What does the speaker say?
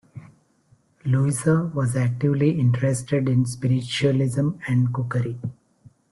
Louisa was actively interested in spiritualism and cookery.